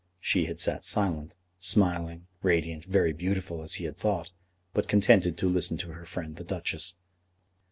She had sat silent, smiling, radiant, very beautiful as he had thought, but contented to listen to her friend the Duchess.